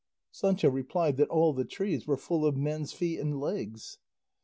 Sancho replied that all the trees were full of men's feet and legs.